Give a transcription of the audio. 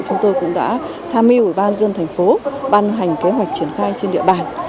chúng tôi cũng đã tham mưu ủy ban dân thành phố ban hành kế hoạch triển khai trên địa bàn